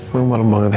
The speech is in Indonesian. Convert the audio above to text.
mau malem banget ya